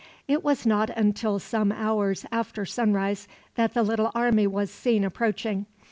It was not until some hours after sunrise that the little army was seen approaching.